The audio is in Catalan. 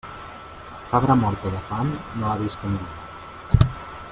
Cabra morta de fam no l'ha vista ningú.